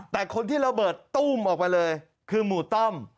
แต่คนที่ระเบิดตู้มออกมาเลยคือหมู่ต้อม